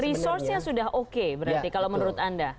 resourcenya sudah oke berarti kalau menurut anda